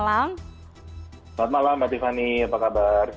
selamat malam mbak tiffany apa kabar